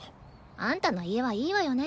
あんたの家はいいわよね。